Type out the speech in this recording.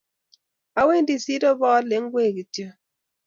awendi siro ibaale ngwek kityo